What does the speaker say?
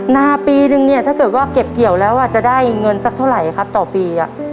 นาปีนึงเนี่ยถ้าเกิดว่าเก็บเกี่ยวแล้วจะได้เงินสักเท่าไหร่ครับต่อปี